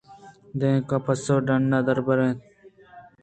دانکہ پس ڈنّءَ دربیا اَنت